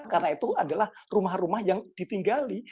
karena itu adalah rumah rumah yang ditinggali